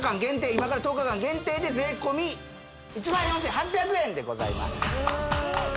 今から１０日間限定で税込１４８００円でございます